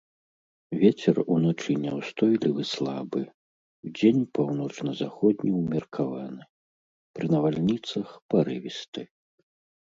Вецер уначы няўстойлівы слабы, удзень паўночна-заходні ўмеркаваны, пры навальніцах парывісты.